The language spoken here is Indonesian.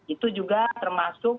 itu juga termasuk